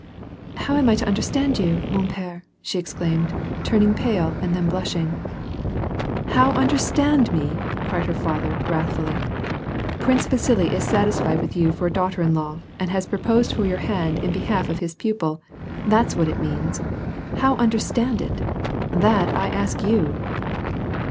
" How am I to understand you, m^n p^re ?" she exclaimed, turning ])ale and then blushing. " How understand me !" cried her father, wrathfully, " Prince Vjisili is satisfied with you for a daughter in law, and has proposiul for your hand in behalf of his pupil. That's what it means. * How understand it ?' That I ask you."